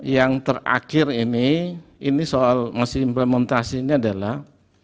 yang terakhir ini ini soal masih implementasinya adalah